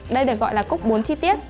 đây được gọi là cúc bốn chi tiết